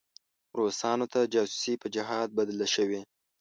روسانو ته جاسوسي په جهاد بدله شوې.